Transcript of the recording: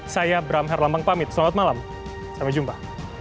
saya bram herlambang pamit selamat malam sampai jumpa